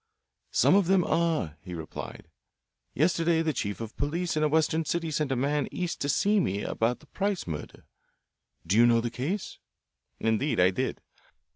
"Some of them are," he replied. "Yesterday the chief of police in a Western city sent a man East to see me about the Price murder: you know the case?" Indeed I did.